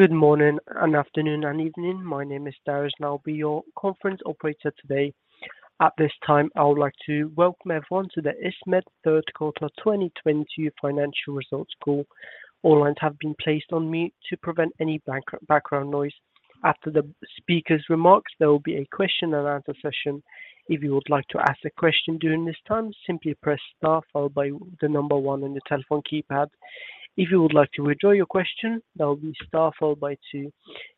Good morning and afternoon and evening. My name is Darius, and I'll be your conference operator today. At this time, I would like to welcome everyone to the Insmed Third Quarter 2022 Financial Results Call. All lines have been placed on mute to prevent any background noise. After the speakers' remarks, there will be a question-and-answer session. If you would like to ask a question during this time, simply press star followed by the number one on your telephone keypad. If you would like to withdraw your question, that will be star followed by two.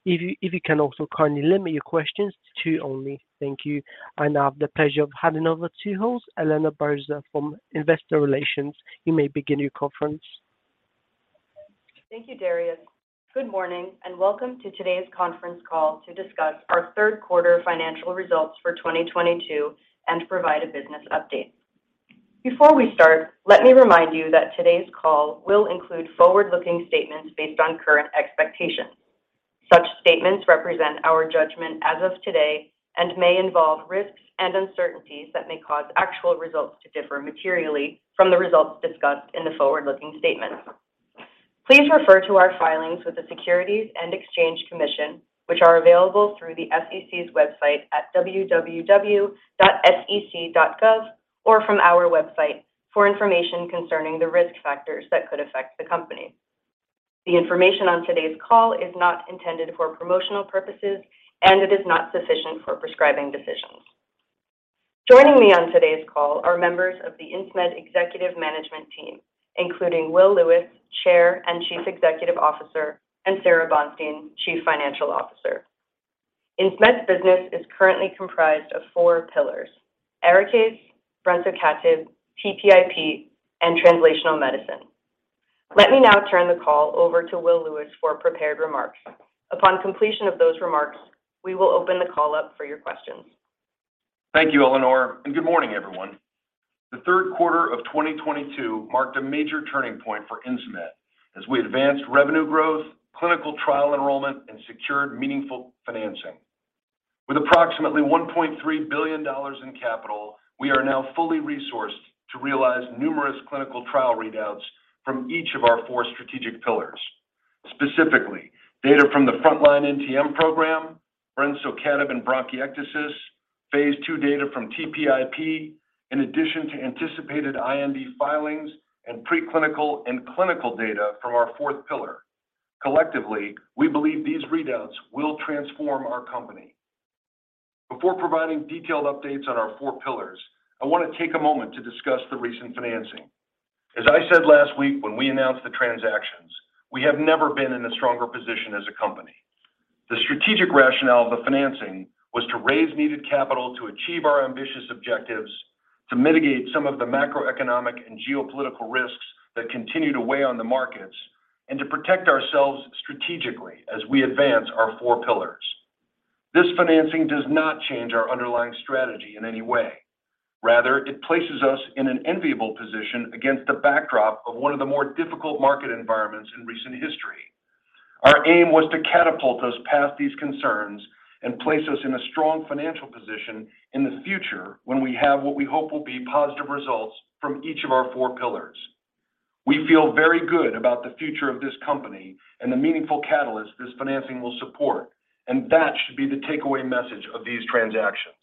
If you can also kindly limit your questions to two only. Thank you. I now have the pleasure of handing over to Eleanor Barisser from Investor Relations. You may begin your conference. Thank you, Darius. Good morning and welcome to today's conference call to discuss our third quarter financial results for 2022 and provide a business update. Before we start, let me remind you that today's call will include forward-looking statements based on current expectations. Such statements represent our judgment as of today and may involve risks and uncertainties that may cause actual results to differ materially from the results discussed in the forward-looking statements. Please refer to our filings with the Securities and Exchange Commission, which are available through the SEC's website at www.sec.gov or from our website for information concerning the risk factors that could affect the company. The information on today's call is not intended for promotional purposes, and it is not sufficient for prescribing decisions. Joining me on today's call are members of the Insmed Executive Management Team, including Will Lewis, Chair and Chief Executive Officer, and Sara Bonstein, Chief Financial Officer. Insmed's business is currently comprised of four pillars: ARIKAYCE, Brensocatib, TPIP, and Translational Medicine. Let me now turn the call over to Will Lewis for prepared remarks. Upon completion of those remarks, we will open the call up for your questions. Thank you, Eleanor, and good morning, everyone. The third quarter of 2022 marked a major turning point for Insmed as we advanced revenue growth, clinical trial enrollment, and secured meaningful financing. With approximately $1.3 billion in capital, we are now fully resourced to realize numerous clinical trial readouts from each of our four strategic pillars, specifically data from the frontline NTM program, Brensocatib in bronchiectasis, phase II data from TPIP, i n addition to anticipated IND filings and preclinical and clinical data from our fourth pillar. Collectively, we believe these readouts will transform our company. Before providing detailed updates on our four pillars, I want to take a moment to discuss the recent financing. As I said last week when we announced the transactions, we have never been in a stronger position as a company. The strategic rationale of the financing was to raise needed capital to achieve our ambitious objectives, to mitigate some of the macroeconomic and geopolitical risks that continue to weigh on the markets, and to protect ourselves strategically as we advance our four pillars. This financing does not change our underlying strategy in any way. Rather, it places us in an enviable position against the backdrop of one of the more difficult market environments in recent history. Our aim was to catapult us past these concerns and place us in a strong financial position in the future when we have what we hope will be positive results from each of our four pillars. We feel very good about the future of this company and the meaningful catalyst this financing will support, and that should be the takeaway message of these transactions.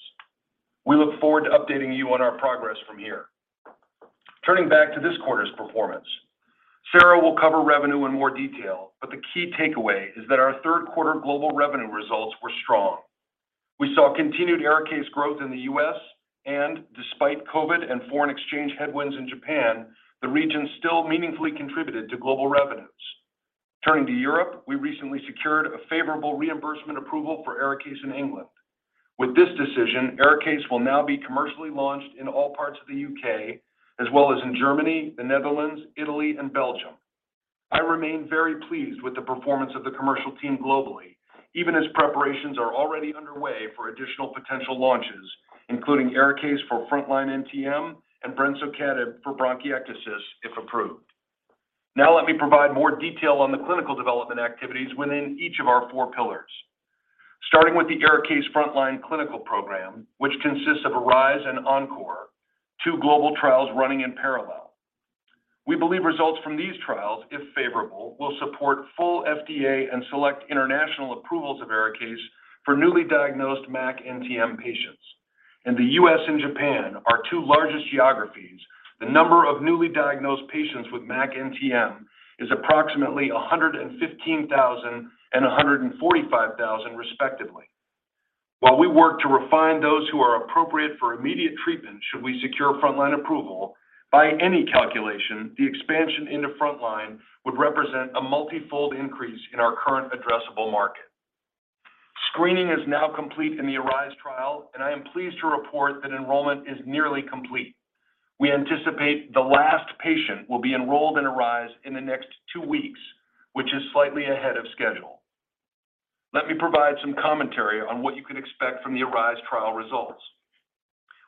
We look forward to updating you on our progress from here. Turning back to this quarter's performance. Sarah will cover revenue in more detail, but the key takeaway is that our third quarter global revenue results were strong. We saw continued ARIKAYCE growth in the U.S., and despite COVID and foreign exchange headwinds in Japan, the region still meaningfully contributed to global revenues. Turning to Europe, we recently secured a favorable reimbursement approval for ARIKAYCE in England. With this decision, ARIKAYCE will now be commercially launched in all parts of the U.K., as well as in Germany, the Netherlands, Italy, and Belgium. I remain very pleased with the performance of the commercial team globally, even as preparations are already underway for additional potential launches, including ARIKAYCE for frontline NTM and Brensocatib for bronchiectasis, if approved. Now let me provide more detail on the clinical development activities within each of our four pillars. Starting with the ARIKAYCE frontline clinical program, which consists of ARISE and ENCORE, two global trials running in parallel. We believe results from these trials, if favorable, will support full FDA and select international approvals of ARIKAYCE for newly diagnosed MAC NTM patients. In the U.S. and Japan, our two largest geographies, the number of newly diagnosed patients with MAC NTM is approximately 115,000 and 145,000 respectively. While we work to refine those who are appropriate for immediate treatment should we secure frontline approval, by any calculation, the expansion into frontline would represent a multi-fold increase in our current addressable market. Screening is now complete in the ARISE trial, and I am pleased to report that enrollment is nearly complete. We anticipate the last patient will be enrolled in ARISE in the next two weeks, which is slightly ahead of schedule. Let me provide some commentary on what you can expect from the ARISE trial results.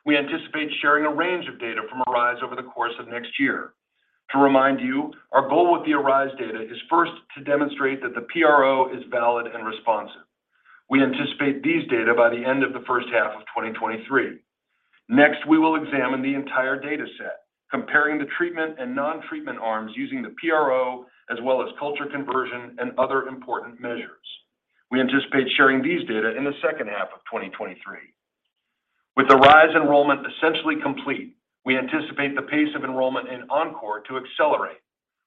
We anticipate sharing a range of data from ARISE over the course of next year. To remind you, our goal with the ARISE data is first to demonstrate that the PRO is valid and responsive. We anticipate these data by the end of the first half of 2023. Next, we will examine the entire dataset comparing the treatment and non-treatment arms using the PRO as well as culture conversion and other important measures. We anticipate sharing these data in the second half of 2023. With the ARISE enrollment essentially complete, we anticipate the pace of enrollment in ENCORE to accelerate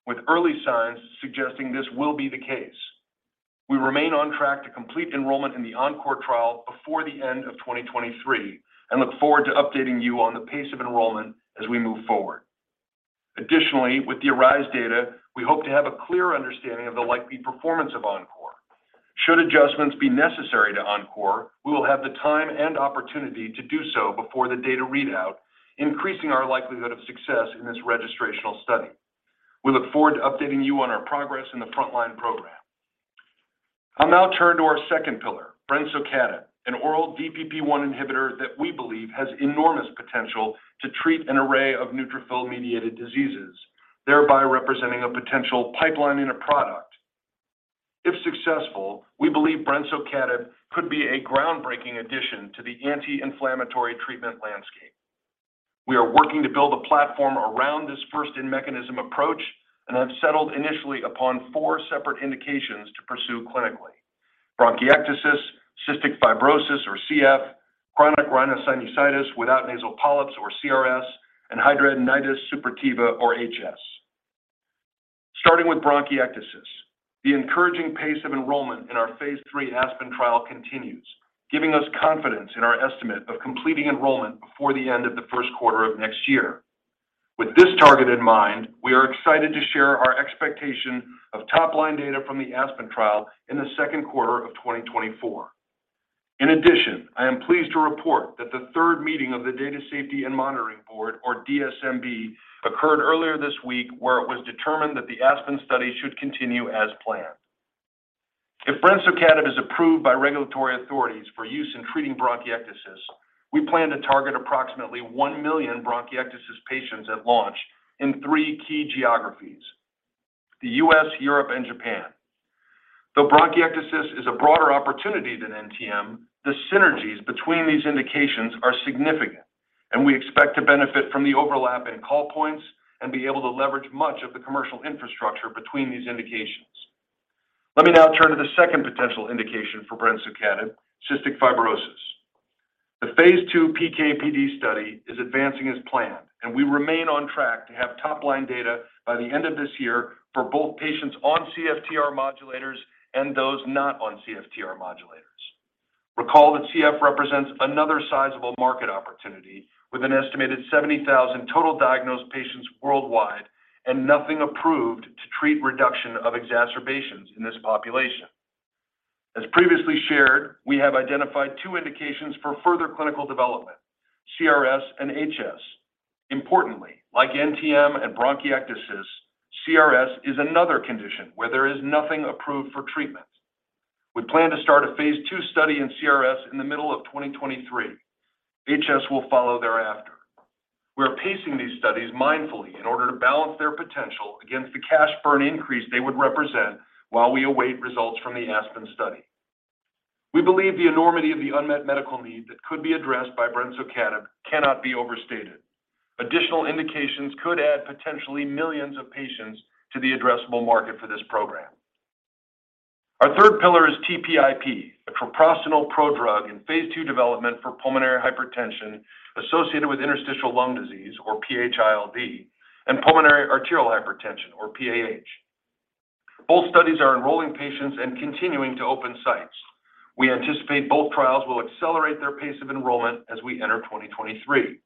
with early signs suggesting this will be the case. We remain on track to complete enrollment in the ENCORE trial before the end of 2023 and look forward to updating you on the pace of enrollment as we move forward. Additionally, with the ARISE data, we hope to have a clear understanding of the likely performance of ENCORE. Should adjustments be necessary to ENCORE, we will have the time and opportunity to do so before the data readout, increasing our likelihood of success in this registrational study. We look forward to updating you on our progress in the frontline program. I'll now turn to our second pillar, Brensocatib, an oral DPP-1 inhibitor that we believe has enormous potential to treat an array of neutrophil-mediated diseases, thereby representing a potential pipeline in a product. If successful, we believe Brensocatib could be a groundbreaking addition to the anti-inflammatory treatment landscape. We are working to build a platform around this first in mechanism approach and have settled initially upon four separate indications to pursue clinically. Bronchiectasis, Cystic fibrosis or CF, Chronic rhinosinusitis without nasal polyps or CRSsNP, and Hidradenitis suppurativa or HS. Starting with bronchiectasis, the encouraging pace of enrollment in our phase III ASPEN trial continues, giving us confidence in our estimate of completing enrollment before the end of the first quarter of next year. With this target in mind, we are excited to share our expectation of top-line data from the ASPEN trial in the second quarter of 2024. In addition, I am pleased to report that the third meeting of the Data Safety and Monitoring Board, or DSMB, occurred earlier this week, where it was determined that the ASPEN study should continue as planned. If Brensocatib is approved by regulatory authorities for use in treating bronchiectasis, we plan to target approximately one million bronchiectasis patients at launch in three key geographies, the U.S., Europe, and Japan. Though bronchiectasis is a broader opportunity than NTM, the synergies between these indications are significant, and we expect to benefit from the overlap in call points and be able to leverage much of the commercial infrastructure between these indications. Let me now turn to the second potential indication for Brensocatib, cystic fibrosis. The phase II PK/PD study is advancing as planned, and we remain on track to have top-line data by the end of this year for both patients on CFTR modulators and those not on CFTR modulators. Recall that CF represents another sizable market opportunity with an estimated 70,000 total diagnosed patients worldwide and nothing approved to treat reduction of exacerbations in this population. As previously shared, we have identified two indications for further clinical development, CRSsNP and HS. Importantly, like NTM and bronchiectasis, CRSsNP is another condition where there is nothing approved for treatment. We plan to start a phase II study in CRSsNP in the middle of 2023. HS will follow thereafter. We are pacing these studies mindfully in order to balance their potential against the cash burn increase they would represent while we await results from the ASPEN study. We believe the enormity of the unmet medical needs that could be addressed by Brensocatib cannot be overstated. Additional indications could add potentially millions of patients to the addressable market for this program. Our third pillar is TPIP, a treprostinil prodrug in phase II development for pulmonary hypertension associated with interstitial lung disease or PH-ILD, and pulmonary arterial hypertension or PAH. Both studies are enrolling patients and continuing to open sites. We anticipate both trials will accelerate their pace of enrollment as we enter 2023.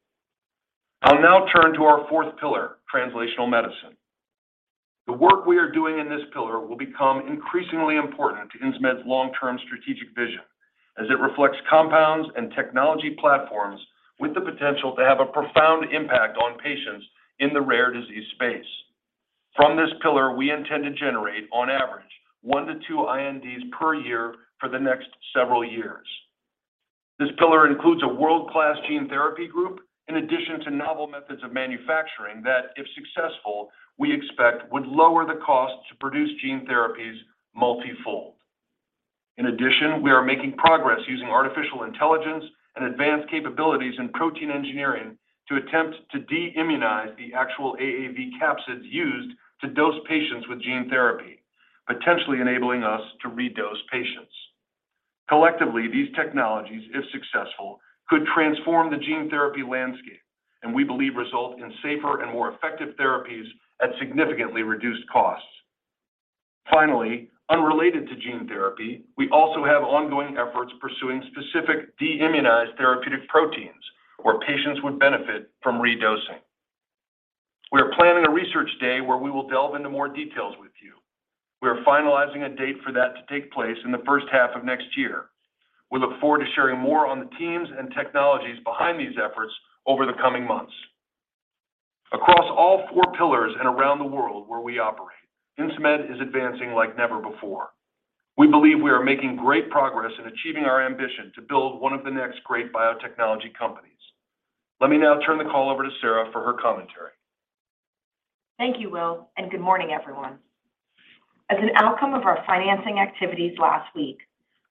I'll now turn to our fourth pillar, Translational Medicine. The work we are doing in this pillar will become increasingly important to Insmed's long-term strategic vision as it reflects compounds and technology platforms with the potential to have a profound impact on patients in the rare disease space. From this pillar, we intend to generate, on average, 1-2 INDs per year for the next several years. This pillar includes a world-class gene therapy group in addition to novel methods of manufacturing that, if successful, we expect would lower the cost to produce gene therapies multifold. In addition, we are making progress using artificial intelligence and advanced capabilities in protein engineering to attempt to deimmunize the actual AAV capsids used to dose patients with gene therapy, potentially enabling us to redose patients. Collectively, these technologies, if successful, could transform the gene therapy landscape, and we believe result in safer and more effective therapies at significantly reduced costs. Finally, unrelated to gene therapy, we also have ongoing efforts pursuing specific deimmunized therapeutic proteins where patients would benefit from redosing. We are planning a research day where we will delve into more details with you. We are finalizing a date for that to take place in the first half of next year. We look forward to sharing more on the teams and technologies behind these efforts over the coming months. Across all four pillars and around the world where we operate, Insmed is advancing like never before. We believe we are making great progress in achieving our ambition to build one of the next great biotechnology companies. Let me now turn the call over to Sara for her commentary. Thank you, Will, and good morning, everyone. As an outcome of our financing activities last week,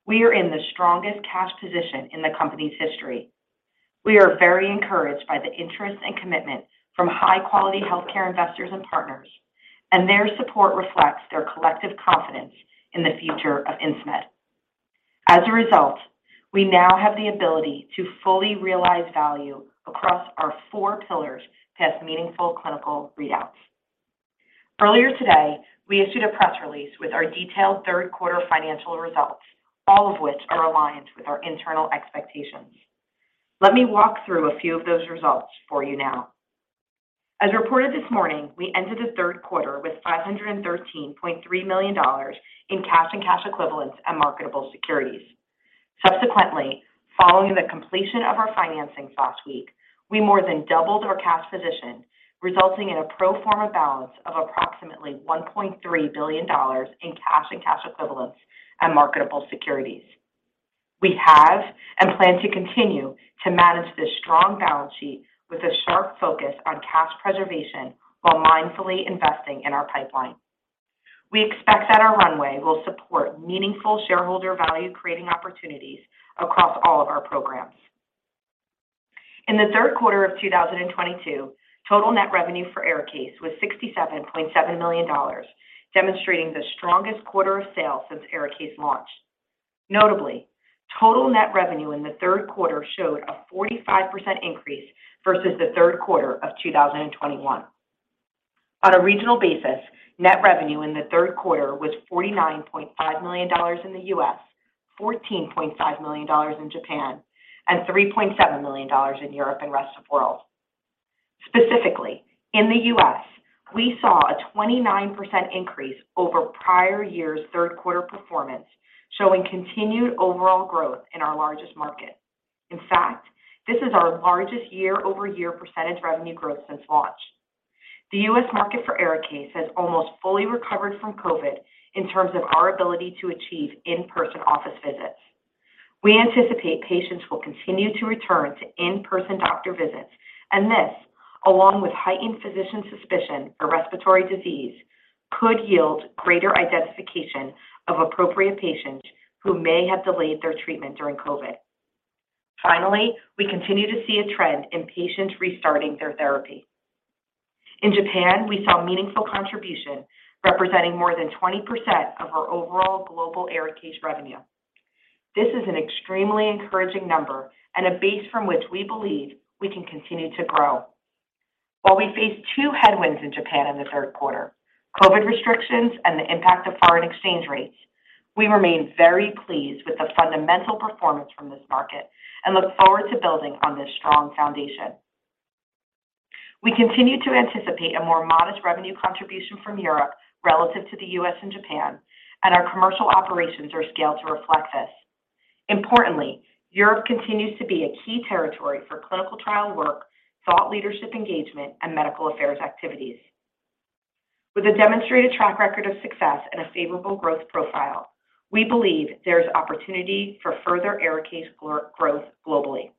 we are in the strongest cash position in the company's history. We are very encouraged by the interest and commitment from high-quality healthcare investors and partners, and their support reflects their collective confidence in the future of Insmed. As a result, we now have the ability to fully realize value across our four pillars to have meaningful clinical readouts. Earlier today, we issued a press release with our detailed third quarter financial results, all of which are aligned with our internal expectations. Let me walk through a few of those results for you now. As reported this morning, we entered the third quarter with $513.3 million in cash and cash equivalents and marketable securities. Subsequently, following the completion of our financings last week, we more than doubled our cash position, resulting in a pro forma balance of approximately $1.3 billion in cash and cash equivalents and marketable securities. We have and plan to continue to manage this strong balance sheet with a sharp focus on cash preservation while mindfully investing in our pipeline. We expect that our runway will support meaningful shareholder value creating opportunities across all of our programs. In the third quarter of 2022, total net revenue for ARIKAYCE was $67.7 million, demonstrating the strongest quarter of sales since ARIKAYCE launch. Notably, total net revenue in the third quarter showed a 45% increase versus the third quarter of 2021. On a regional basis, net revenue in the third quarter was $49.5 million in the US, $14.5 million in Japan, and $3.7 million in Europe and rest of world. Specifically, in the US, we saw a 29% increase over prior year's third quarter performance, showing continued overall growth in our largest market. In fact, this is our largest year-over-year percentage revenue growth since launch. The US market for ARIKAYCE has almost fully recovered from COVID in terms of our ability to achieve in-person office visits. We anticipate patients will continue to return to in-person doctor visits, and this, along with heightened physician suspicion for respiratory disease, could yield greater identification of appropriate patients who may have delayed their treatment during COVID. Finally, we continue to see a trend in patients restarting their therapy. In Japan, we saw meaningful contribution representing more than 20% of our overall global ARIKAYCE revenue. This is an extremely encouraging number and a base from which we believe we can continue to grow. While we face two headwinds in Japan in the third quarter, COVID restrictions and the impact of foreign exchange rates, we remain very pleased with the fundamental performance from this market and look forward to building on this strong foundation. We continue to anticipate a more modest revenue contribution from Europe relative to the U.S. and Japan, and our commercial operations are scaled to reflect this. Importantly, Europe continues to be a key territory for clinical trial work, thought leadership engagement, and medical affairs activities. With a demonstrated track record of success and a favorable growth profile, we believe there's opportunity for further ARIKAYCE global growth globally.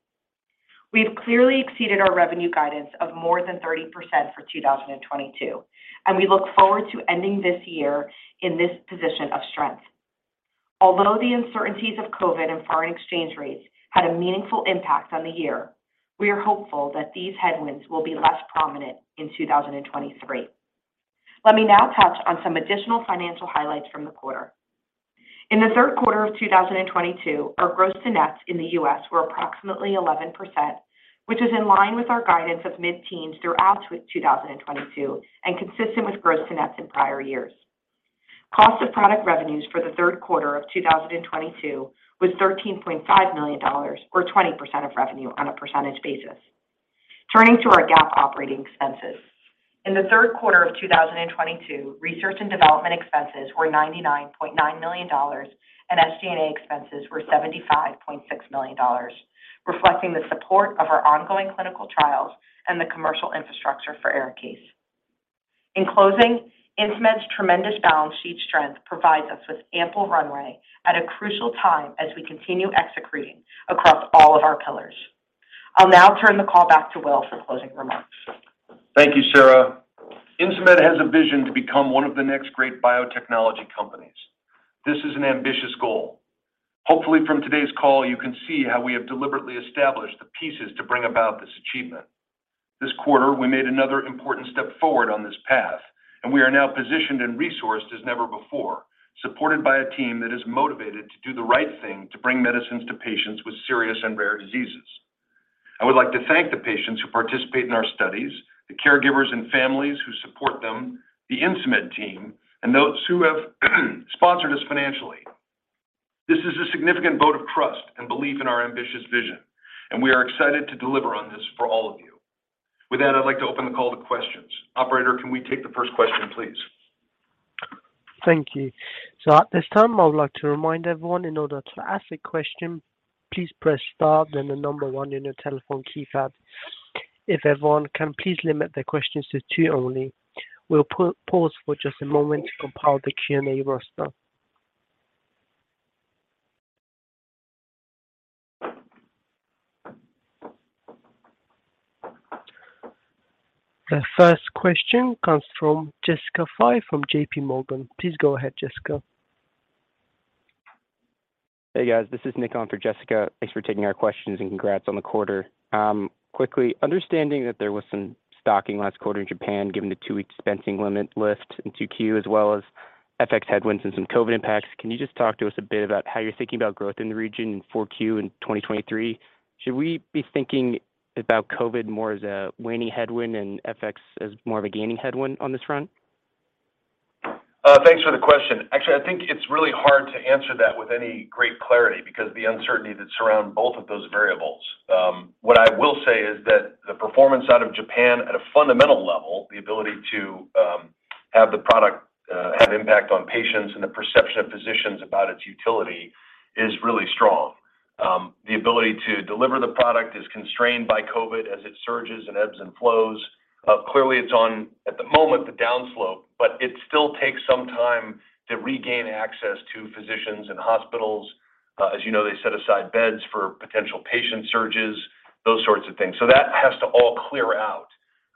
We've clearly exceeded our revenue guidance of more than 30% for 2022, and we look forward to ending this year in this position of strength. Although the uncertainties of COVID and foreign exchange rates had a meaningful impact on the year, we are hopeful that these headwinds will be less prominent in 2023. Let me now touch on some additional financial highlights from the quarter. In the third quarter of 2022, our gross to nets in the U.S. were approximately 11%, which is in line with our guidance of mid-teens throughout 2022 and consistent with gross to nets in prior years. Cost of product revenues for the third quarter of 2022 was $13.5 million or 20% of revenue on a percentage basis. Turning to our GAAP operating expenses. In the third quarter of 2022, research and development expenses were $99.9 million, and SG&A expenses were $75.6 million, reflecting the support of our ongoing clinical trials and the commercial infrastructure for ARIKAYCE. In closing, Insmed's tremendous balance sheet strength provides us with ample runway at a crucial time as we continue executing across all of our pillars. I'll now turn the call back to Will for closing remarks. Thank you, Sara. Insmed has a vision to become one of the next great biotechnology companies. This is an ambitious goal. Hopefully, from today's call, you can see how we have deliberately established the pieces to bring about this achievement. This quarter, we made another important step forward on this path, and we are now positioned and resourced as never before, supported by a team that is motivated to do the right thing to bring medicines to patients with serious and rare diseases. I would like to thank the patients who participate in our studies, the caregivers and families who support them, the Insmed team, and those who have sponsored us financially. This is a significant vote of trust and belief in our ambitious vision, and we are excited to deliver on this for all of you. With that, I'd like to open the call to questions. Operator, can we take the first question, please? Thank you. At this time, I would like to remind everyone in order to ask a question, please press star, then number one on a telephone keypad. If everyone can please limit their questions to two only. We'll pause for just a moment to compile the Q&A roster. The first question comes from Jessica Fye from JPMorgan. Please go ahead, Jessica. Hey, guys. This is Nick on for Jessica. Thanks for taking our questions, and congrats on the quarter. Quickly, understanding that there was some stocking last quarter in Japan, given the two-week dispensing limit lift in 2Q, as well as FX headwinds and some COVID impacts, can you just talk to us a bit about how you're thinking about growth in the region in 4Q and 2023? Should we be thinking about COVID more as a waning headwind and FX as more of a gaining headwind on this front? Thanks for the question. Actually, I think it's really hard to answer that with any great clarity because the uncertainty that surround both of those variables. What I will say is that the performance out of Japan at a fundamental level, the ability to have the product have impact on patients and the perception of physicians about its utility is really strong. The ability to deliver the product is constrained by COVID as it surges and ebbs and flows. Clearly, it's on, at the moment, the downslope, but it still takes some time to regain access to physicians and hospitals. As you know, they set aside beds for potential patient surges, those sorts of things. That has to all clear out.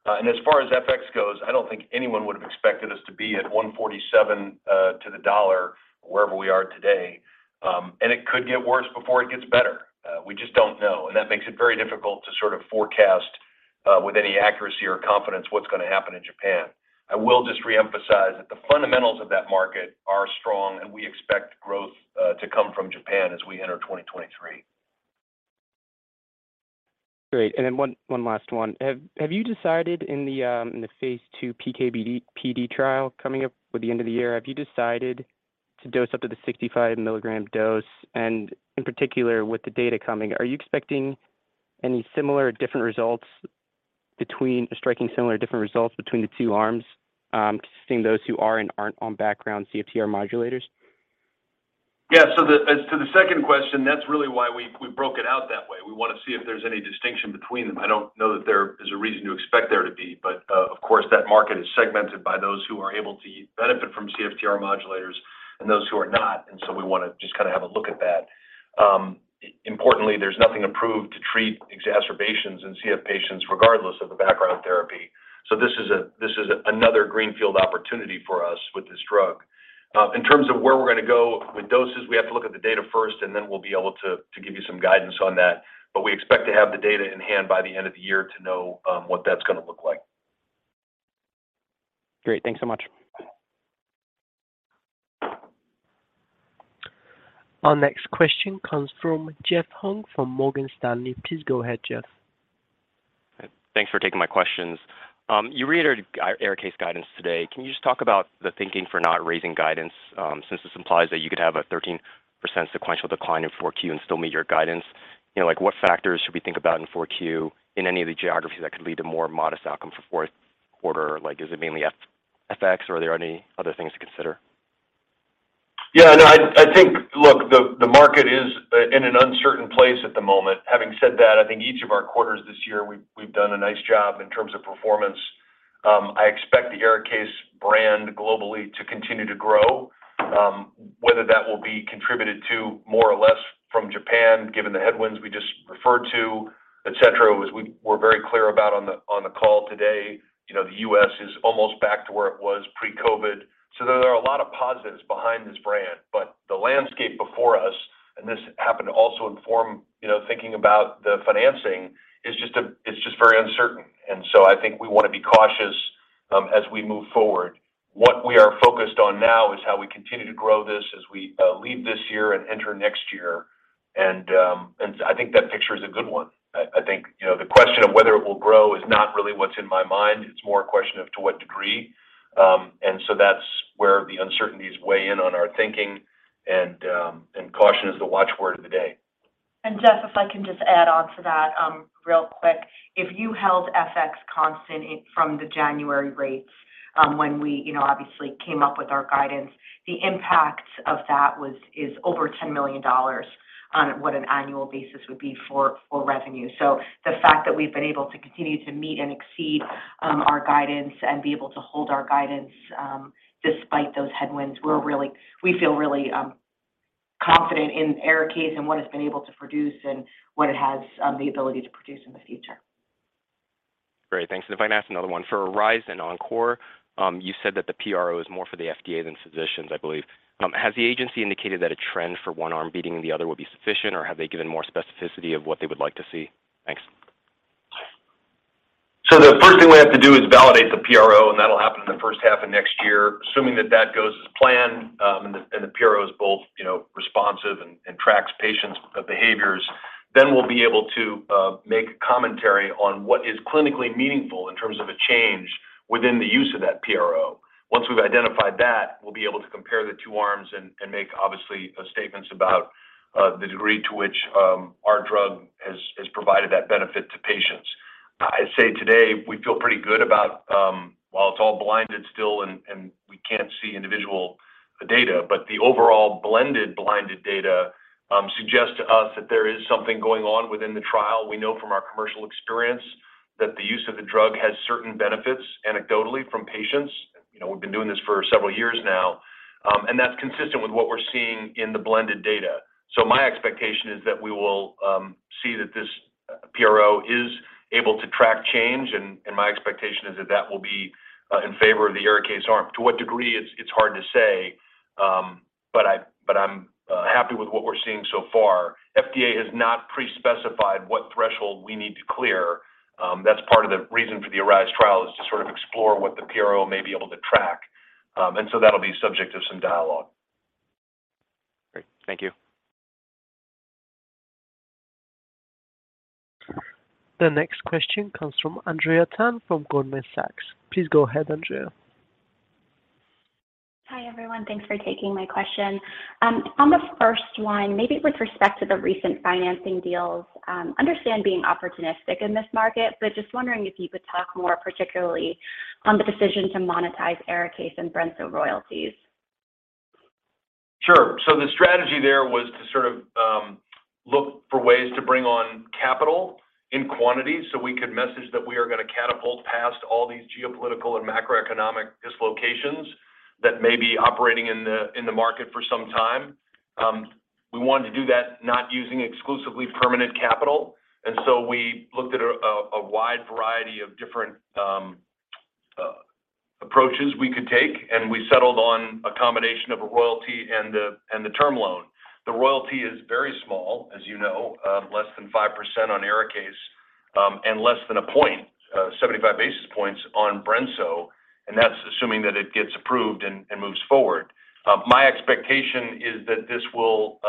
As far as FX goes, I don't think anyone would have expected us to be at 147 to the dollar, wherever we are today. It could get worse before it gets better. We just don't know. That makes it very difficult to sort of forecast with any accuracy or confidence what's gonna happen in Japan. I will just reemphasize that the fundamentals of that market are strong, and we expect growth to come from Japan as we enter 2023. Great. One last one. Have you decided in the phase II PK/PD trial coming up with the end of the year to dose up to the 65 mg dose? In particular, with the data coming, are you expecting any strikingly similar or different results between the two arms testing those who are and aren't on background CFTR modulators? As to the second question, that's really why we broke it out that way. We want to see if there's any distinction between them. I don't know that there is a reason to expect there to be, but of course, that market is segmented by those who are able to benefit from CFTR modulators and those who are not, and so we want to just kind of have a look at that. Importantly, there's nothing approved to treat exacerbations in CF patients regardless of the background therapy. This is another greenfield opportunity for us with this drug. In terms of where we're going to go with doses, we have to look at the data first, and then we'll be able to give you some guidance on that. We expect to have the data in hand by the end of the year to know what that's gonna look like. Great. Thanks so much. Our next question comes from Jeff Hung from Morgan Stanley. Please go ahead, Jeff. Thanks for taking my questions. You reiterated ARIKAYCE guidance today. Can you just talk about the thinking for not raising guidance, since this implies that you could have a 13% sequential decline in 4Q and still meet your guidance? You know, like, what factors should we think about in 4Q in any of the geographies that could lead to more modest outcome for fourth quarter? Like, is it mainly FX, or are there any other things to consider? Yeah. No, I think. Look, the market is in an uncertain place at the moment. Having said that, I think each of our quarters this year, we've done a nice job in terms of performance. I expect the ARIKAYCE brand globally to continue to grow. Whether that will be contributed to more or less from Japan, given the headwinds we just referred to, et cetera, as we were very clear about on the call today, you know, the U.S. is almost back to where it was pre-COVID. There are a lot of positives behind this brand. The landscape before us, and this happened to also inform, you know, thinking about the financing, is just it's just very uncertain. I think we wanna be cautious as we move forward. What we are focused on now is how we continue to grow this as we leave this year and enter next year. I think that picture is a good one. I think, you know, the question of whether it will grow is not really what's in my mind. It's more a question of to what degree. That's where the uncertainties weigh in on our thinking and caution is the watch word of the day. Jeff, if I can just add on to that, real quick. If you held FX constant from the January rates, when we, you know, obviously came up with our guidance, the impact of that is over $10 million on what an annual basis would be for revenue. The fact that we've been able to continue to meet and exceed our guidance and be able to hold our guidance, despite those headwinds, we feel really confident in ARIKAYCE and what it's been able to produce and what it has the ability to produce in the future. Great. Thanks. If I may ask another one. For ARISE and ENCORE, you said that the PRO is more for the FDA than physicians, I believe. Has the agency indicated that a trend for one arm beating the other would be sufficient, or have they given more specificity of what they would like to see? Thanks. The first thing we have to do is validate the PRO, and that'll happen in the first half of next year. Assuming that goes as planned, and the PRO is both, you know, responsive and tracks patients' behaviors, then we'll be able to make commentary on what is clinically meaningful in terms of a change within the use of that PRO. Once we've identified that, we'll be able to compare the two arms and make obviously statements about the degree to which our drug has provided that benefit to patients. I'd say today we feel pretty good about while it's all blinded still and we can't see individual data, but the overall blended blinded data suggests to us that there is something going on within the trial. We know from our commercial experience that the use of the drug has certain benefits anecdotally from patients. You know, we've been doing this for several years now, and that's consistent with what we're seeing in the blended data. My expectation is that we will see that this PRO is able to track change, and my expectation is that that will be in favor of the ARIKAYCE arm. To what degree, it's hard to say, but I'm happy with what we're seeing so far. FDA has not pre-specified what threshold we need to clear. That's part of the reason for the ARISE trial is to sort of explore what the PRO may be able to track. That'll be subject of some dialogue. Great. Thank you. The next question comes from Andrea Tan from Goldman Sachs. Please go ahead, Andrea. Hi, everyone. Thanks for taking my question. On the first one, maybe with respect to the recent financing deals, understand being opportunistic in this market, but just wondering if you could talk more particularly on the decision to monetize ARIKAYCE and Brensocatib royalties? The strategy there was to sort of look for ways to bring on capital in quantity so we could message that we are gonna catapult past all these geopolitical and macroeconomic dislocations that may be operating in the market for some time. We wanted to do that not using exclusively permanent capital. We looked at a wide variety of different approaches we could take, and we settled on a combination of a royalty and the term loan. The royalty is very small, as you know, less than 5% on ARIKAYCE, and less than a point 75 basis points on Brensocatib, and that's assuming that it gets approved and moves forward. My expectation is that this will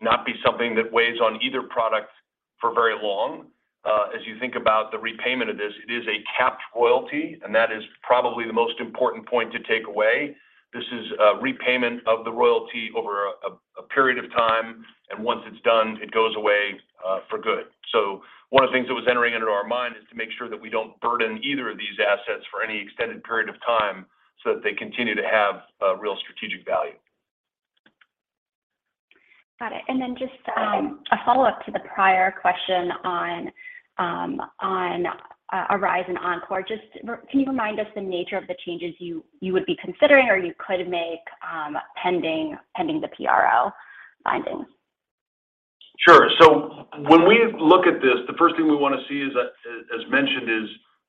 not be something that weighs on either product for very long. As you think about the repayment of this, it is a capped royalty, and that is probably the most important point to take away. This is a repayment of the royalty over a period of time, and once it's done, it goes away, for good. One of the things that was entering into our mind is to make sure that we don't burden either of these assets for any extended period of time so that they continue to have real strategic value. Got it. Just a follow-up to the prior question on ARISE and ENCORE. Just can you remind us the nature of the changes you would be considering or you could make, pending the PRO findings? When we look at this, the first thing we wanna see is, as mentioned,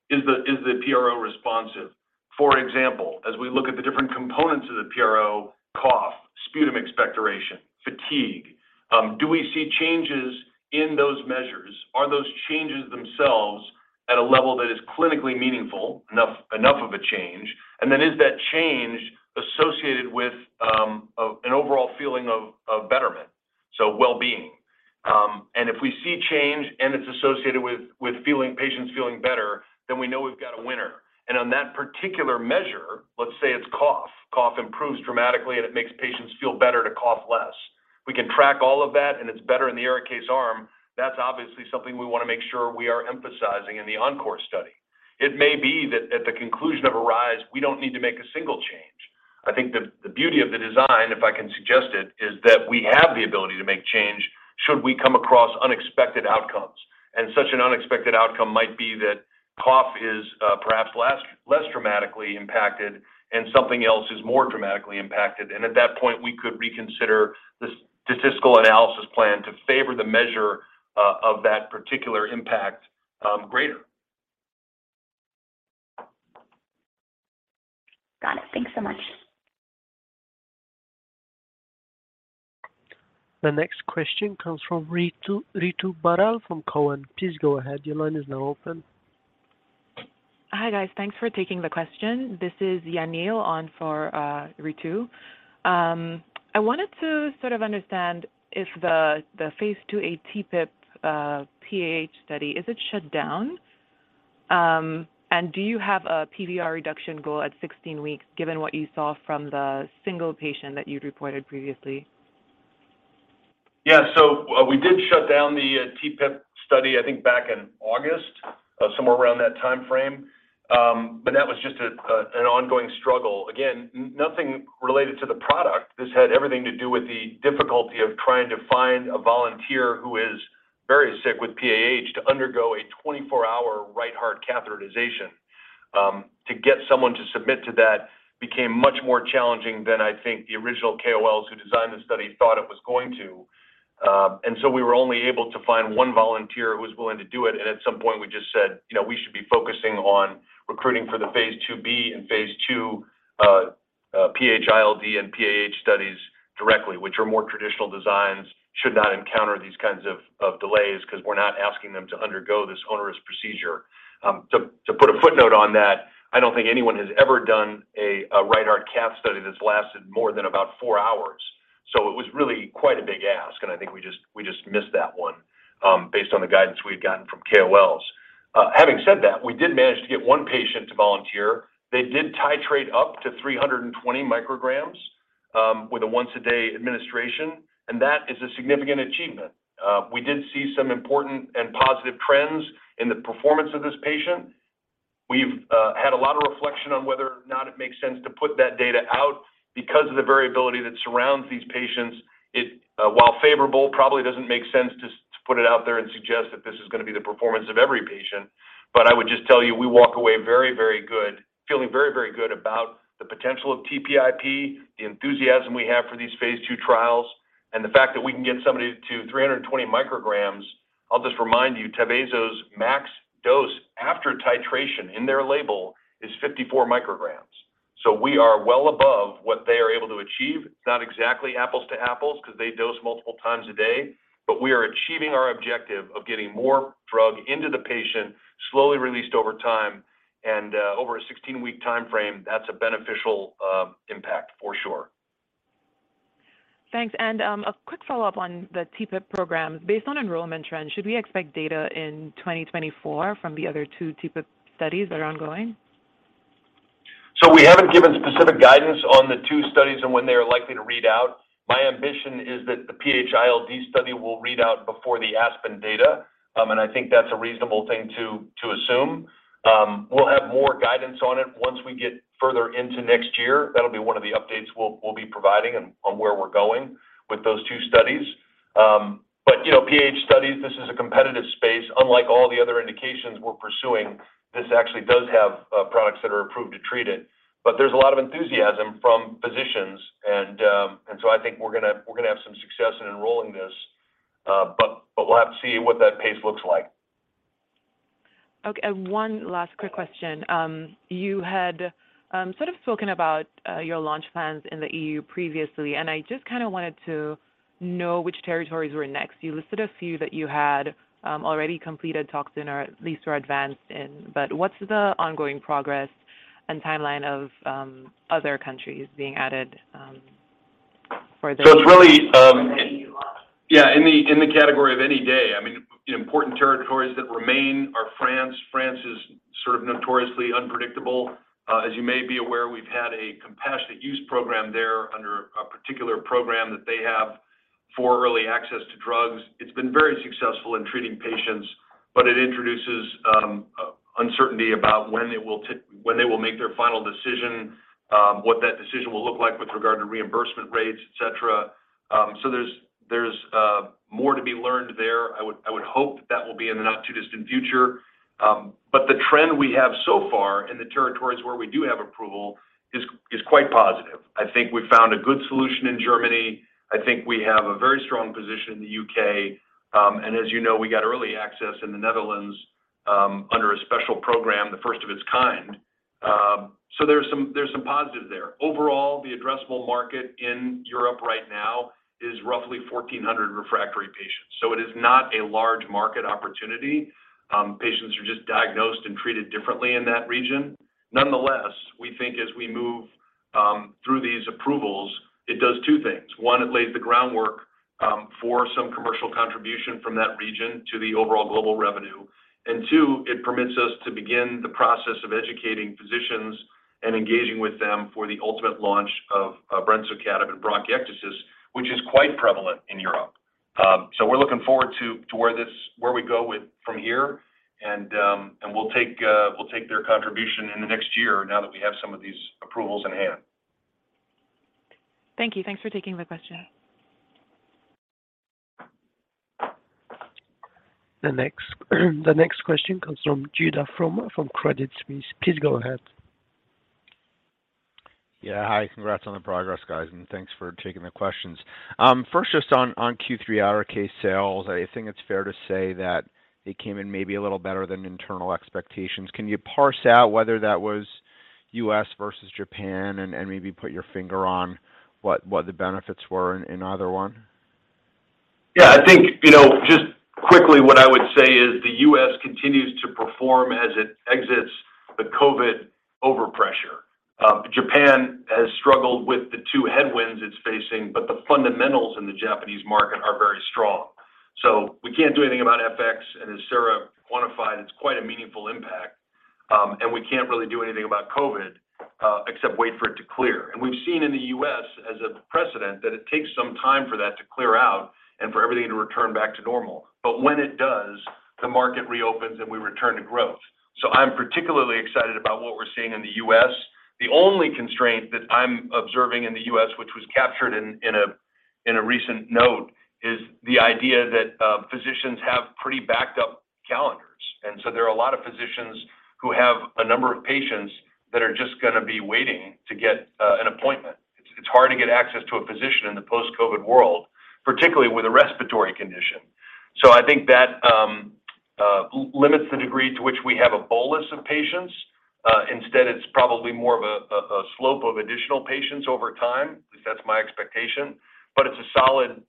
is the PRO responsive? For example, as we look at the different components of the PRO, cough, sputum expectoration, fatigue, do we see changes in those measures? Are those changes themselves at a level that is clinically meaningful, enough of a change? Then is that change associated with an overall feeling of betterment, so well-being? If we see change and it's associated with patients feeling better, then we know we've got a winner. On that particular measure, let's say it's cough. Cough improves dramatically, and it makes patients feel better to cough less. We can track all of that, and it's better in the ARIKAYCE arm. That's obviously something we wanna make sure we are emphasizing in the ENCORE study. It may be that at the conclusion of ARISE, we don't need to make a single change. I think the beauty of the design, if I can suggest it, is that we have the ability to make change should we come across unexpected outcomes. Such an unexpected outcome might be that cough is perhaps less dramatically impacted and something else is more dramatically impacted. At that point, we could reconsider the statistical analysis plan to favor the measure of that particular impact greater. Got it. Thanks so much. The next question comes from Ritu Baral from Cowen. Please go ahead. Your line is now open. Hi, guys. Thanks for taking the question. This is Yanil on for Ritu. I wanted to sort of understand if the phase 2a TPIP PAH study is shut down? And do you have a PVR reduction goal at 16 weeks given what you saw from the single patient that you'd reported previously? Yeah. We did shut down the TPIP study, I think, back in August, somewhere around that timeframe. That was just an ongoing struggle. Again, nothing related to the product. This had everything to do with the difficulty of trying to find a volunteer who is very sick with PAH to undergo a 24-hour right heart catheterization. To get someone to submit to that became much more challenging than I think the original KOLs who designed the study thought it was going to. We were only able to find one volunteer who was willing to do it. At some point, we just said, you know, we should be focusing on recruiting for the phase IIb and phase II PH-ILD and PAH studies directly, which are more traditional designs and should not encounter these kinds of delays because we're not asking them to undergo this onerous procedure. To put a footnote on that, I don't think anyone has ever done a right heart cath study that's lasted more than about four hours. It was really quite a big ask, and I think we just missed that one based on the guidance we had gotten from KOLs. Having said that, we did manage to get one patient to volunteer. They did titrate up to 320 micrograms with a once-a-day administration, and that is a significant achievement. We did see some important and positive trends in the performance of this patient. We've had a lot of reflection on whether or not it makes sense to put that data out because of the variability that surrounds these patients. It, while favorable, probably doesn't make sense to put it out there and suggest that this is gonna be the performance of every patient. I would just tell you, we walk away feeling very, very good about the potential of TPIP, the enthusiasm we have for these phase II trials, and the fact that we can get somebody to 320 micrograms. I'll just remind you, Teva's max dose after titration in their label is 54 micrograms. We are well above what they are able to achieve. It's not exactly apples to apples 'cause they dose multiple times a day. we are achieving our objective of getting more drug into the patient, slowly released over time and over a 16-week timeframe, that's a beneficial impact for sure. Thanks. A quick follow-up on the TPIP program. Based on enrollment trends, should we expect data in 2024 from the other two TPIP studies that are ongoing? We haven't given specific guidance on the two studies and when they are likely to read out. My ambition is that the PH-ILD study will read out before the ASPEN data. I think that's a reasonable thing to assume. We'll have more guidance on it once we get further into next year. That'll be one of the updates we'll be providing on where we're going with those two studies. You know, PH studies, this is a competitive space. Unlike all the other indications we're pursuing, this actually does have products that are approved to treat it. There's a lot of enthusiasm from physicians and so I think we're gonna have some success in enrolling this. We'll have to see what that pace looks like. Okay. One last quick question. You had sort of spoken about your launch plans in the EU previously, and I just kinda wanted to know which territories were next. You listed a few that you had already completed talks in, or at least were advanced in, but what's the ongoing progress and timeline of other countries being added for the- It's really For the EU launch? Yeah, in the category of any day, I mean, important territories that remain are France. France is sort of notoriously unpredictable. As you may be aware, we've had a compassionate use program there under a particular program that they have for early access to drugs. It's been very successful in treating patients, but it introduces uncertainty about when they will make their final decision, what that decision will look like with regard to reimbursement rates, et cetera. There's more to be learned there. I would hope that will be in the not too distant future. The trend we have so far in the territories where we do have approval is quite positive. I think we found a good solution in Germany. I think we have a very strong position in the UK. As you know, we got early access in the Netherlands under a special program, the first of its kind. There's some positives there. Overall, the addressable market in Europe right now is roughly 1,400 refractory patients. It is not a large market opportunity. Patients are just diagnosed and treated differently in that region. Nonetheless, we think as we move through these approvals, it does two things. One, it lays the groundwork for some commercial contribution from that region to the overall global revenue. Two, it permits us to begin the process of educating physicians and engaging with them for the ultimate launch of Brensocatib and bronchiectasis, which is quite prevalent in Europe. We're looking forward to where we go from here. We'll take their contribution in the next year now that we have some of these approvals in hand. Thank you. Thanks for taking the question. The next question comes from Judah Frommer from Credit Suisse. Please go ahead. Yeah. Hi. Congrats on the progress, guys, and thanks for taking the questions. First just on Q3 ARIKAYCE sales, I think it's fair to say that it came in maybe a little better than internal expectations. Can you parse out whether that was U.S. versus Japan and maybe put your finger on what the benefits were in either one? Yeah. I think, you know, just quickly what I would say is the U.S. continues to perform as it exits the COVID overpressure. Japan has struggled with the two headwinds it's facing, but the fundamentals in the Japanese market are very strong. We can't do anything about FX, and as Sarah quantified, it's quite a meaningful impact. We can't really do anything about COVID, except wait for it to clear. We've seen in the U.S. as a precedent that it takes some time for that to clear out and for everything to return back to normal. When it does, the market reopens and we return to growth. I'm particularly excited about what we're seeing in the U.S. The only constraint that I'm observing in the U.S., which was captured in a recent note, is the idea that physicians have pretty backed up calendars. There are a lot of physicians who have a number of patients that are just gonna be waiting to get an appointment. It's hard to get access to a physician in the post-COVID world, particularly with a respiratory condition. I think that limits the degree to which we have a bolus of patients. Instead, it's probably more of a slope of additional patients over time. At least that's my expectation. It's a solid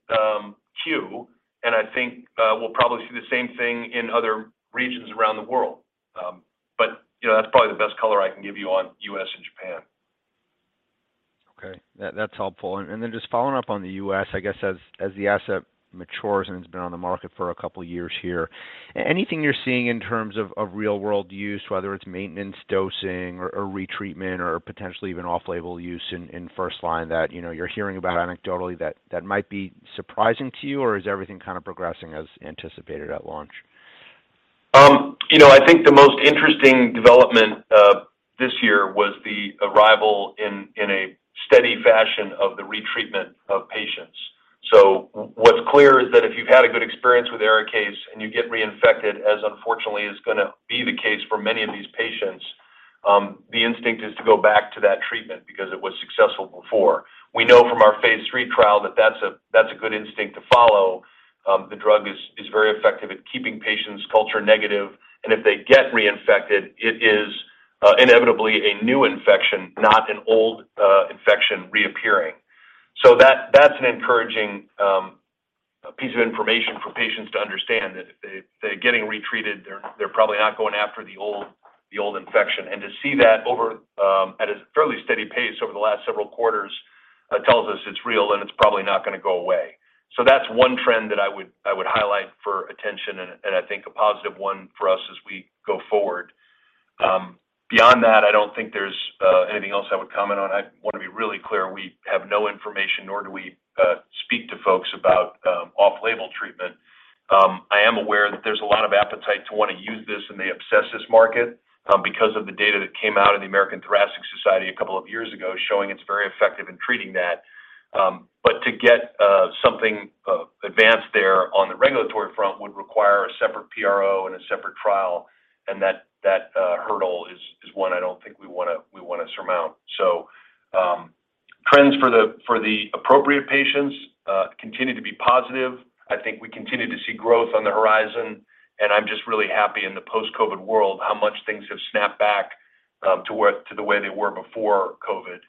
queue, and I think we'll probably see the same thing in other regions around the world. You know, that's probably the best color I can give you on U.S. and Japan. Okay. That's helpful. Just following up on the U.S., I guess as the asset matures, and it's been on the market for a couple years here, anything you're seeing in terms of real world use, whether it's maintenance dosing or retreatment or potentially even off-label use in first line that you know you're hearing about anecdotally that might be surprising to you? Is everything kind of progressing as anticipated at launch? You know, I think the most interesting development this year was the arrival in a steady fashion of the retreatment of patients. What's clear is that if you've had a good experience with ARIKAYCE and you get reinfected, as unfortunately is gonna be the case for many of these patients, the instinct is to go back to that treatment because it was successful before. We know from our phase three trial that that's a good instinct to follow. The drug is very effective at keeping patients culture negative, and if they get reinfected, it is inevitably a new infection, not an old infection reappearing. That's an encouraging piece of information for patients to understand that if they're getting retreated, they're probably not going after the old infection. To see that over, at a fairly steady pace over the last several quarters, tells us it's real, and it's probably not gonna go away. That's one trend that I would highlight for attention and I think a positive one for us as we go forward. Beyond that, I don't think there's anything else I would comment on. I want to be really clear, we have no information nor do we speak to folks about off-label treatment. I am aware that there's a lot of appetite to wanna use this in the M. abscessus market, because of the data that came out in the American Thoracic Society a couple of years ago showing it's very effective in treating that. To get something advanced there on the regulatory front would require a separate PRO and a separate trial, and that hurdle is one I don't think we wanna surmount. Trends for the appropriate patients continue to be positive. I think we continue to see growth on the horizon, and I'm just really happy in the post-COVID world how much things have snapped back to the way they were before COVID,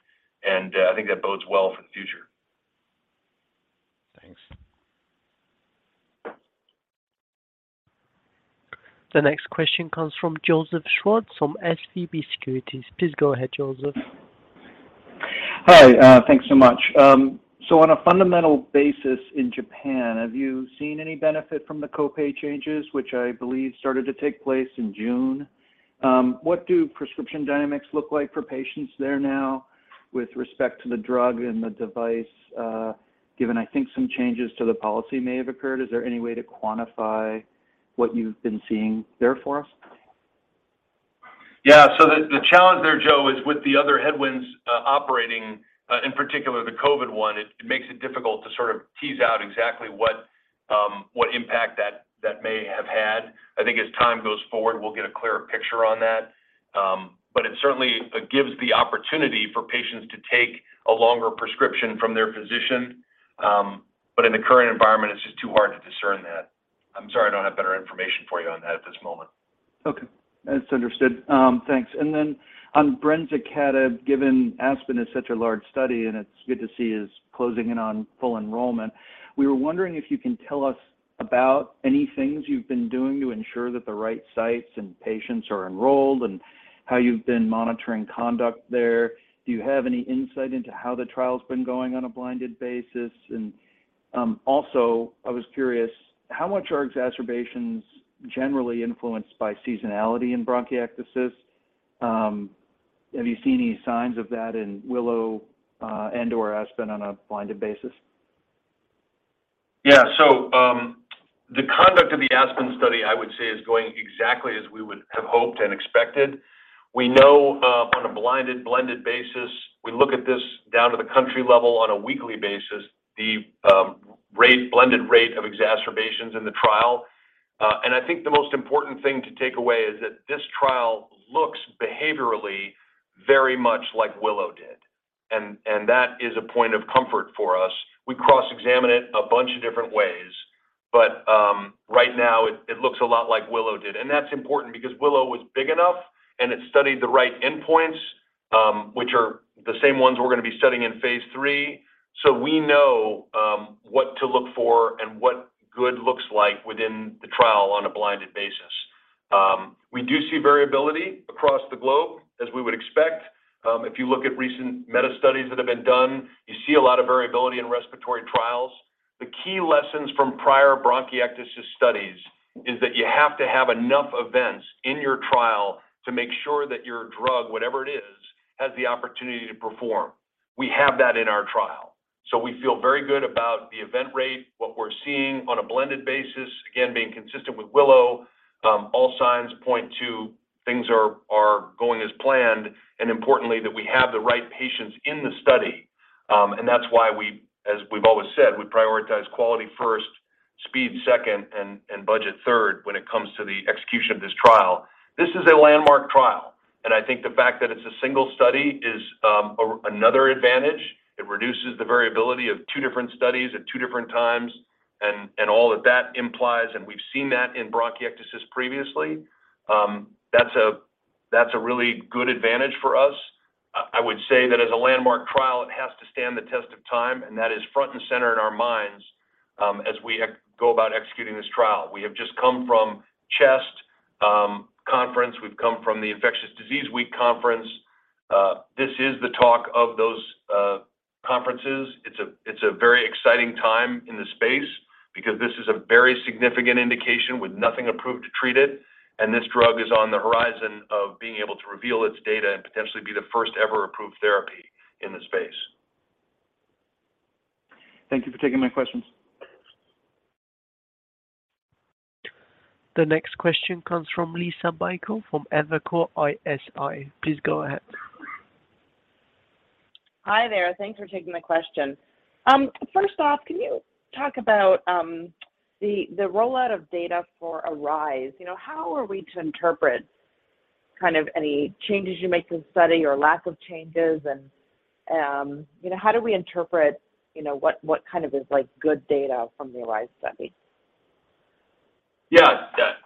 and I think that bodes well for the future. Thanks. The next question comes from Joseph Schwartz from SVB Securities. Please go ahead, Joseph. Hi. Thanks so much. On a fundamental basis in Japan, have you seen any benefit from the co-pay changes, which I believe started to take place in June? What do prescription dynamics look like for patients there now with respect to the drug and the device, given I think some changes to the policy may have occurred? Is there any way to quantify what you've been seeing there for us? Yeah. The challenge there, Joe, is with the other headwinds, operating, in particular the COVID one, it makes it difficult to sort of tease out exactly what impact that may have had. I think as time goes forward, we'll get a clearer picture on that. It certainly gives the opportunity for patients to take a longer prescription from their physician. In the current environment, it's just too hard to discern that. I'm sorry I don't have better information for you on that at this moment. Okay. It's understood. Thanks. On Brensocatib, given ASPEN is such a large study and it's good to see it's closing in on full enrollment, we were wondering if you can tell us about any things you've been doing to ensure that the right sites and patients are enrolled and how you've been monitoring conduct there. Do you have any insight into how the trial's been going on a blinded basis? Also, I was curious, how much are exacerbations generally influenced by seasonality in bronchiectasis? Have you seen any signs of that in WILLOW, and/or ASPEN on a blinded basis? Yeah, the conduct of the ASPEN study, I would say, is going exactly as we would have hoped and expected. We know, on a blinded, blended basis, we look at this down to the country level on a weekly basis, the blended rate of exacerbations in the trial. I think the most important thing to take away is that this trial looks behaviorally very much like WILLOW did, and that is a point of comfort for us. We cross-examine it a bunch of different ways, but right now it looks a lot like WILLOW did. That's important because WILLOW was big enough and it studied the right endpoints, which are the same ones we're gonna be studying in phase III. We know what to look for and what good looks like within the trial on a blinded basis. We do see variability across the globe, as we would expect. If you look at recent meta-studies that have been done, you see a lot of variability in respiratory trials. The key lessons from prior bronchiectasis studies is that you have to have enough events in your trial to make sure that your drug, whatever it is, has the opportunity to perform. We have that in our trial. We feel very good about the event rate, what we're seeing on a blended basis, again, being consistent with WILLOW. All signs point to things are going as planned, and importantly, that we have the right patients in the study. That's why we, as we've always said, we prioritize quality first, speed second, and budget third when it comes to the execution of this trial. This is a landmark trial, and I think the fact that it's a single study is another advantage. It reduces the variability of two different studies at two different times and all that that implies, and we've seen that in bronchiectasis previously. That's a really good advantage for us. I would say that as a landmark trial, it has to stand the test of time, and that is front and center in our minds as we go about executing this trial. We have just come from CHEST conference. We've come from the IDWeek conference. This is the talk of those conferences. It's a very exciting time in the space because this is a very significant indication with nothing approved to treat it, and this drug is on the horizon of being able to reveal its data and potentially be the first ever approved therapy in the space. Thank you for taking my questions. The next question comes from Lisa Michael from Evercore ISI. Please go ahead. Hi there. Thanks for taking my question. First off, can you talk about the rollout of data for ARISE? You know, how are we to interpret kind of any changes you make to the study or lack of changes and, you know, how do we interpret, you know, what kind of is like good data from the ARISE study? Yeah.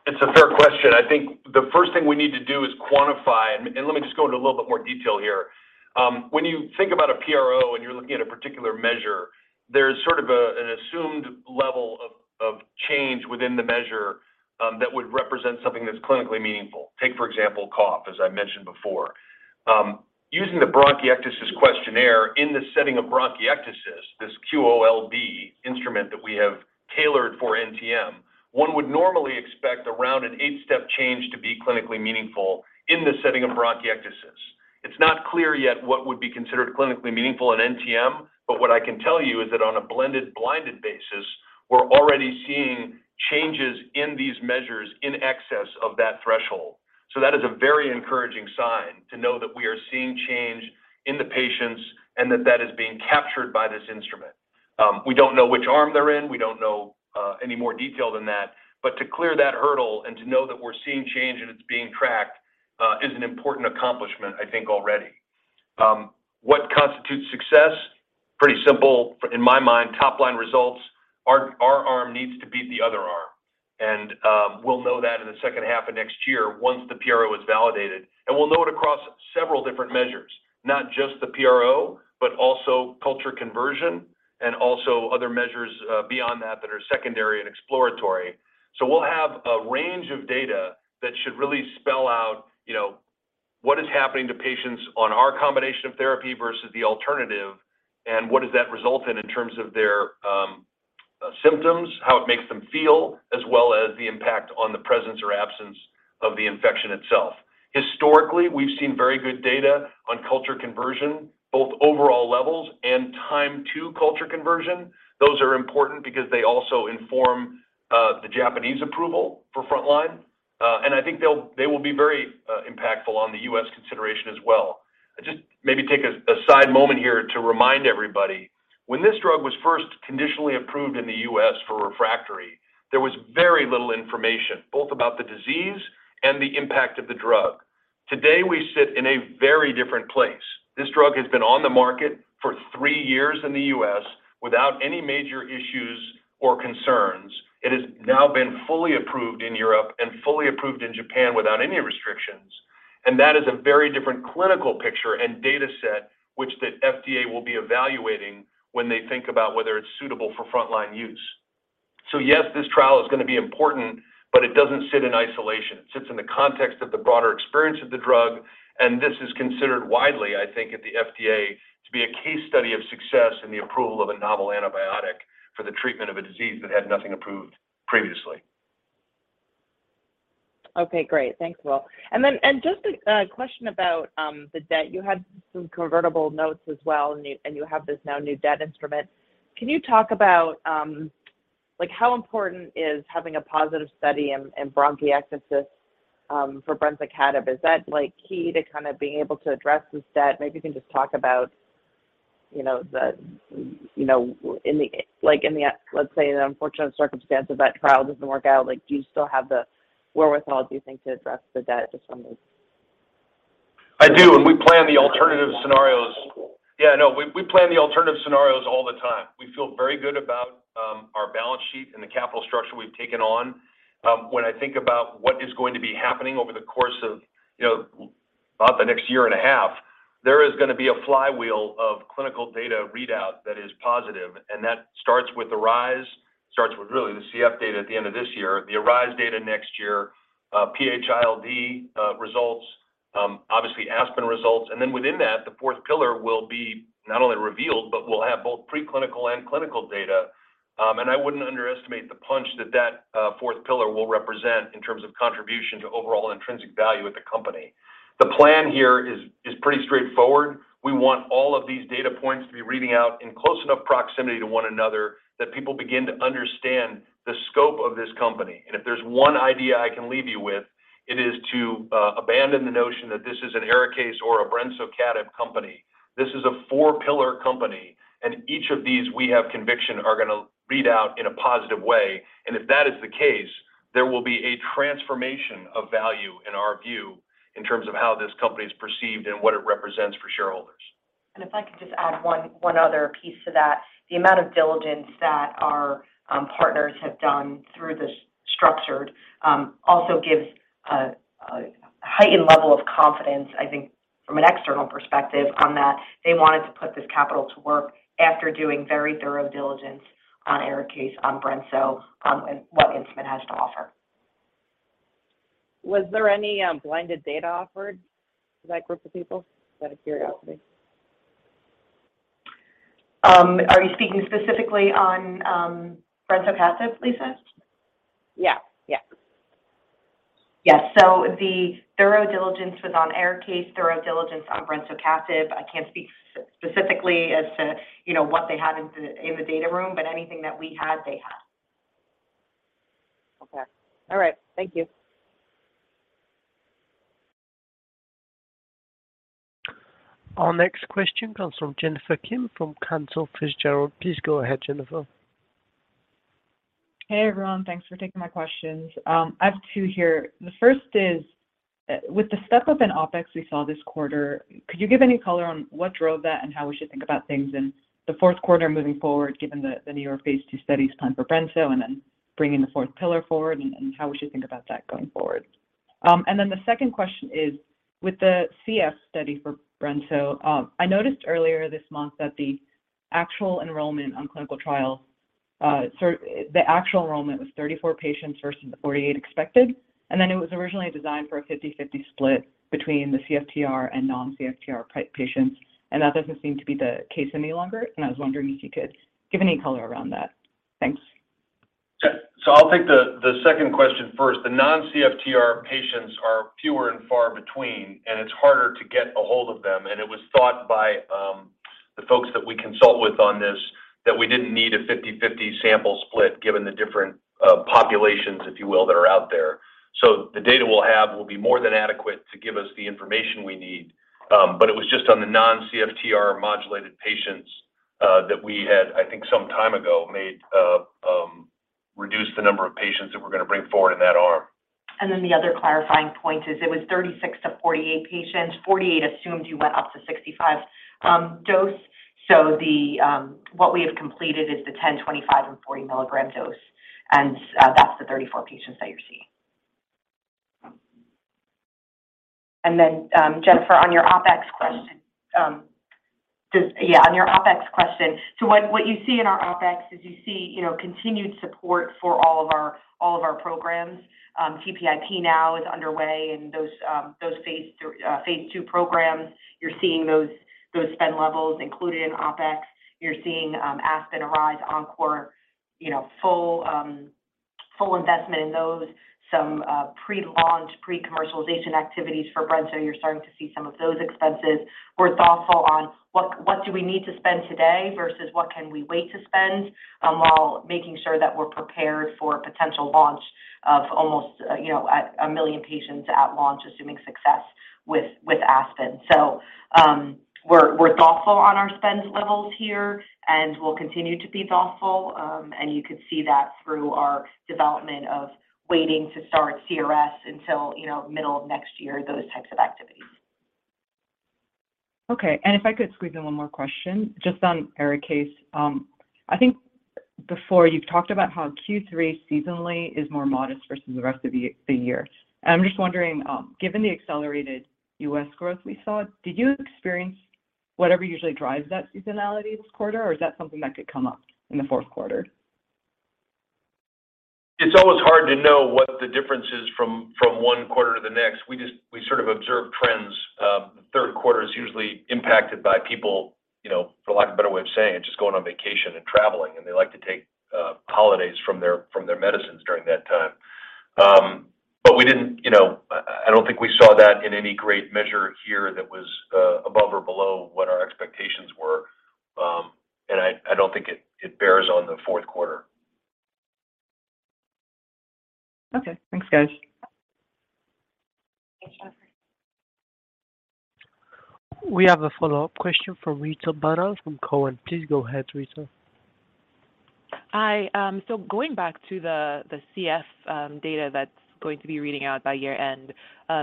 It's a fair question. I think the first thing we need to do is quantify, and let me just go into a little bit more detail here. When you think about a PRO and you're looking at a particular measure, there's sort of an assumed level of change within the measure that would represent something that's clinically meaningful. Take, for example, cough, as I mentioned before. Using the bronchiectasis questionnaire in the setting of bronchiectasis, this QOL-B instrument that we have tailored for NTM, one would normally expect around an eight-step change to be clinically meaningful in the setting of bronchiectasis. It's not clear yet what would be considered clinically meaningful in NTM, but what I can tell you is that on a blended blinded basis, we're already seeing changes in these measures in excess of that threshold. That is a very encouraging sign to know that we are seeing change in the patients and that that is being captured by this instrument. We don't know which arm they're in. We don't know any more detail than that. To clear that hurdle and to know that we're seeing change and it's being tracked is an important accomplishment, I think, already. What constitutes success? Pretty simple. In my mind, top-line results. Our arm needs to beat the other arm. We'll know that in the second half of next year once the PRO is validated. We'll know it across several different measures, not just the PRO, but also culture conversion and also other measures beyond that that are secondary and exploratory. We'll have a range of data that should really spell out, you know, what is happening to patients on our combination of therapy versus the alternative, and what does that result in in terms of their symptoms, how it makes them feel, as well as the impact on the presence or absence of the infection itself. Historically, we've seen very good data on culture conversion, both overall levels and time to culture conversion. Those are important because they also inform the Japanese approval for frontline. I think they'll be very impactful on the U.S. consideration as well. Just maybe take a side moment here to remind everybody, when this drug was first conditionally approved in the U.S. for refractory, there was very little information, both about the disease and the impact of the drug. Today, we sit in a very different place. This drug has been on the market for three years in the U.S. without any major issues or concerns. It has now been fully approved in Europe and fully approved in Japan without any restrictions. That is a very different clinical picture and data set which the FDA will be evaluating when they think about whether it's suitable for frontline use. Yes, this trial is going to be important, but it doesn't sit in isolation. It sits in the context of the broader experience of the drug, and this is considered widely, I think, at the FDA to be a case study of success in the approval of a novel antibiotic for the treatment of a disease that had nothing approved previously. Okay, great. Thanks, Will. Just a question about the debt. You had some convertible notes as well, and you have this now new debt instrument. Can you talk about like how important is having a positive study in bronchiectasis for Brensocatib? Is that like key to kind of being able to address this debt? Maybe you can just talk about, you know, like in the, let's say, the unfortunate circumstance of that trial doesn't work out. Like, do you still have the wherewithal, do you think, to address the debt just from this? I do, and we plan the alternative scenarios. Yeah, no, we plan the alternative scenarios all the time. We feel very good about our balance sheet and the capital structure we've taken on. When I think about what is going to be happening over the course of, you know, about the next year and a half, there is gonna be a flywheel of clinical data readout that is positive, and that starts with ARISE, starts with really the CF data at the end of this year, the ARISE data next year, PH-ILD results, obviously ASPEN results. Within that, the fourth pillar will be not only revealed, but we'll have both preclinical and clinical data. I wouldn't underestimate the punch that that fourth pillar will represent in terms of contribution to overall intrinsic value of the company. The plan here is pretty straightforward. We want all of these data points to be reading out in close enough proximity to one another that people begin to understand the scope of this company. If there's one idea I can leave you with, it is to abandon the notion that this is an ARIKAYCE or a Brensocatib company. This is a four-pillar company, and each of these we have conviction are gonna read out in a positive way. If that is the case, there will be a transformation of value in our view in terms of how this company is perceived and what it represents for shareholders. If I could just add one other piece to that. The amount of diligence that our partners have done through this structured also gives a heightened level of confidence, I think from an external perspective on that they wanted to put this capital to work after doing very thorough diligence on ARIKAYCE, on Brensocatib, and what Insmed has to offer. Was there any, blinded data offered to that group of people? Out of curiosity. Are you speaking specifically on Brensocatib, Lisa? Yeah. Yeah. Yes. The thorough diligence was on ARIKAYCE, thorough diligence on Brensocatib. I can't speak specifically as to, you know, what they had in the data room, but anything that we had, they had. Okay. All right. Thank you. Our next question comes from Jennifer Kim from Cantor Fitzgerald. Please go ahead, Jennifer. Hey, everyone. Thanks for taking my questions. I have two here. The first is, with the step-up in OpEx we saw this quarter, could you give any color on what drove that and how we should think about things in the fourth quarter moving forward, given the phase II studies planned for Brensocatib, and then bringing the fourth pillar forward and how we should think about that going forward? The second question is, with the CF study for Brensocatib, I noticed earlier this month that the actual enrollment was 34 patients versus the 48 expected. It was originally designed for a 50/50 split between the CFTR and non-CFTR patients, and that doesn't seem to be the case any longer. I was wondering if you could give any color around that. Thanks. Yeah. I'll take the second question first. The non-CFTR patients are fewer and far between, and it's harder to get a hold of them. It was thought by the folks that we consult with on this that we didn't need a 50/50 sample split given the different populations, if you will, that are out there. The data we'll have will be more than adequate to give us the information we need. It was just on the non-CFTR modulated patients that we had, I think some time ago, reduced the number of patients that we're gonna bring forward in that arm. The other clarifying point is it was 36-48 patients. Forty-eight assumed you went up to 65 dose. What we have completed is the 10, 25, and 40 milligram dose. That's the 34 patients that you're seeing. Jennifer, on your OpEx question. What you see in our OpEx is you see, you know, continued support for all of our programs. TPIP now is underway and those phase 2 programs, you're seeing those spend levels included in OpEx. You're seeing Aspen, ARISE, ENCORE, you know, full investment in those. Some pre-launch, pre-commercialization activities for Brensocatib. You're starting to see some of those expenses. We're thoughtful on what do we need to spend today versus what can we wait to spend while making sure that we're prepared for potential launch of almost you know a million patients at launch, assuming success with Aspen. We're thoughtful on our spend levels here, and we'll continue to be thoughtful. You could see that through our development of waiting to start CRSsNP until you know middle of next year, those types of activities. Okay. If I could squeeze in one more question, just on ARIKAYCE. I think before you've talked about how Q3 seasonally is more modest versus the rest of the year. I'm just wondering, given the accelerated U.S. growth we saw, did you experience whatever usually drives that seasonality this quarter, or is that something that could come up in the fourth quarter? It's always hard to know what the difference is from one quarter to the next. We just sort of observe trends. Third quarter is usually impacted by people, you know, for lack of a better way of saying it, just going on vacation and traveling, and they like to take holidays from their medicines during that time. We didn't, you know, I don't think we saw that in any great measure here that was above or below what our expectations were. I don't think it bears on the fourth quarter. Okay. Thanks, guys. Thanks, Jennifer. We have a follow-up question from Ritu Baral from Cowen. Please go ahead, Ritu. Hi. Going back to the CF data that's going to be reading out by year-end,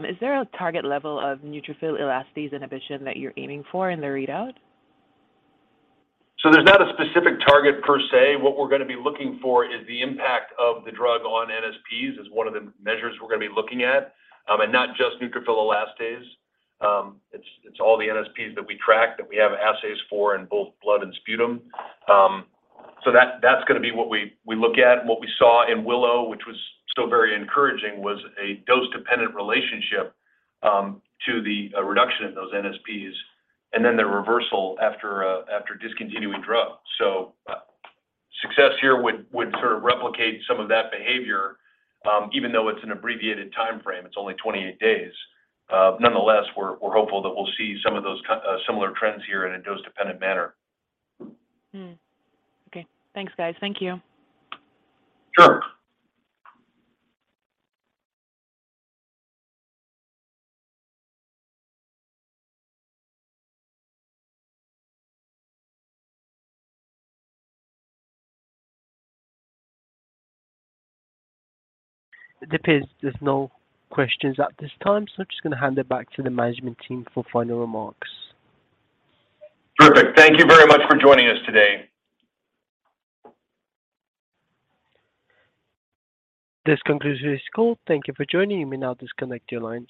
is there a target level of neutrophil elastase inhibition that you're aiming for in the readout? There's not a specific target per se. What we're gonna be looking for is the impact of the drug on NSPs as one of the measures we're gonna be looking at, and not just neutrophil elastase. It's all the NSPs that we track that we have assays for in both blood and sputum. That's gonna be what we look at. What we saw in WILLOW, which was still very encouraging, was a dose-dependent relationship to the reduction in those NSPs and then the reversal after discontinuing drug. Success here would sort of replicate some of that behavior, even though it's an abbreviated timeframe. It's only 28 days. Nonetheless, we're hopeful that we'll see some of those similar trends here in a dose-dependent manner. Okay. Thanks, guys. Thank you. Sure. It appears there's no questions at this time, so I'm just gonna hand it back to the management team for final remarks. Perfect. Thank you very much for joining us today. This concludes this call. Thank you for joining. You may now disconnect your lines.